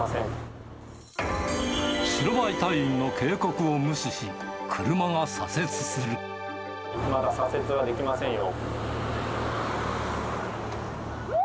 白バイ隊員の警告を無視し、まだ左折はできませんよ。